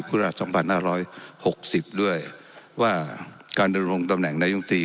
ภูราสองพันห้าร้อยหกสิบด้วยว่าการดำลงตำแหน่งนายกลุ่มปี